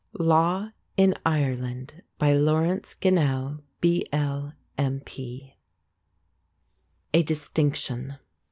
LAW IN IRELAND By LAURENCE GINNELL, B.L., M.P. A DISTINCTION.